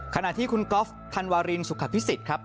ขณะที่คุณก๊อฟธันวารินสุขภิษฎครับ